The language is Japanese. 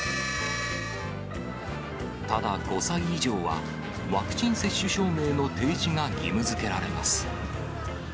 ただ、５歳以上はワクチン接種証明の提示が義務づけられます。